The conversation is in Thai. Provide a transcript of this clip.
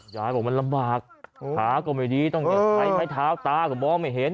ยายบอกมันลำบากขาก็ไม่ดีต้องอย่าใช้ไม้เท้าตาก็มองไม่เห็น